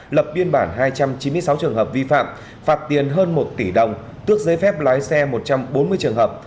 lập biên bản hai trăm chín mươi sáu trường hợp vi phạm phạt tiền hơn một tỷ đồng tước giấy phép lái xe một trăm bốn mươi trường hợp